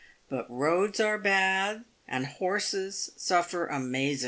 But roads are bad, and horses suffer amazen."